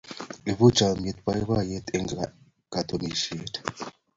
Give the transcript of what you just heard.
Ipu chomnyet boiboiyet eng katunisyet.